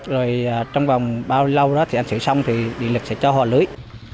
rồi trong vòng bao lâu đó thì anh xử xong thì điện lực sẽ cho họ lưới